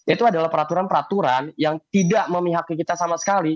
itu adalah peraturan peraturan yang tidak memihaki kita sama sekali